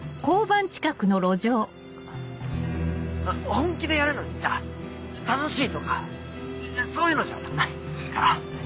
本気でやるのにさ楽しいとかそういうのじゃないから。